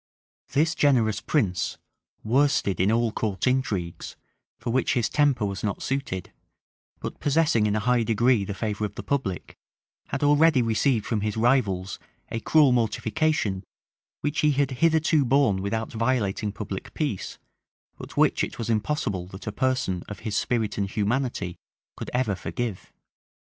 } This generous prince, worsted in all court intrigues, for which his temper was not suited, but possessing in a high degree the favor of the public, had already received from his rivals a cruel mortification, which he had hitherto borne without violating public peace, but which it was impossible that a person of his spirit and humanity could ever forgive.